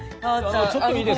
あのちょっといいですか？